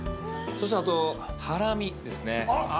そして、あとハラミですね。